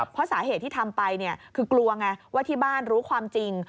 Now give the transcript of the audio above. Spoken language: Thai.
เพราะสาเหตุที่ทำไปคือกลัวไงว่าที่บ้านรู้ความจริง